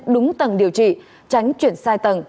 đúng tầng điều trị tránh chuyển sai tầng